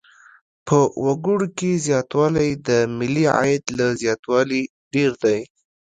په وګړو کې زیاتوالی د ملي عاید له زیاتوالي ډېر دی.